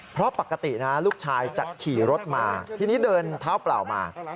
เพราะปกตินะลูกชายจะขี่รถมาทีนี้เดินเท้าเปล่ามา